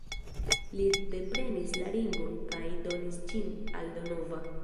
Li deprenis la ringon kaj donis ĝin al Donova.